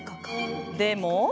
でも。